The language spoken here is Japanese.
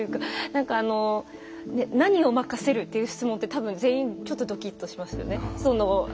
何か「何を任せる」っていう質問って多分全員ちょっとドキッとしますよね。